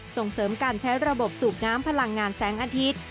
ส่งเสริมการใช้ระบบสูบน้ำพลังงานแสงอาทิตย์